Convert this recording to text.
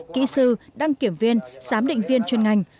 kỹ sư đăng kiểm viên giám định viên chuyên ngành